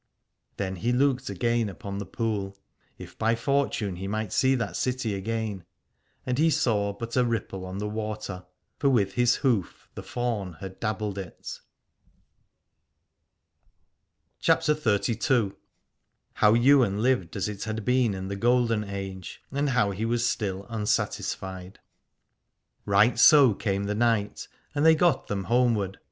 Then he looked again upon the pool, if by fortune he might see that city again : and he saw but a ripple on the water, for with his hoof the faun had dabbled it. 200 CHAPTER XXXII. HOW YWAIN LIVED AS IT HAD BEEN IN THE GOLDEN AGE AND HOW HE WAS STILL UNSATISFIED. Right so came the night and they got them homeward.